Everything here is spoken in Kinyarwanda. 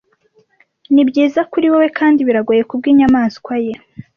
nibyiza kuri wewe kandi biragoye kubwinyamaswa ye